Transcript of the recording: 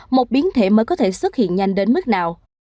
một biến thể mới có thể xuất hiện nhanh đến mức nào